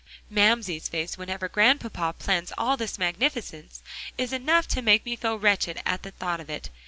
Mamsie's face, whenever Grandpapa plans all this magnificence, is enough to make me feel wretched at the thought of it.